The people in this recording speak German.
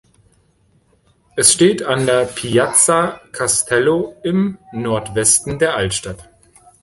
Es steht an der "Piazza Castello" im Nordwesten der Altstadt.